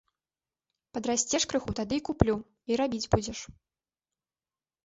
Падрасцеш крыху, тады й куплю, й рабіць будзеш.